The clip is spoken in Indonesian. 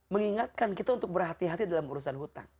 mengingatkan kita untuk berhati hati dalam urusan hutang